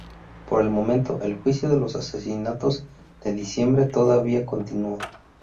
Por el momento, el juicio de los Asesinatos de Diciembre todavía continúa.